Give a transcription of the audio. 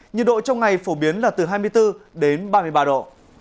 nhiệt độ trong ngày phổ biến là từ hai mươi bốn đến ba mươi ba độ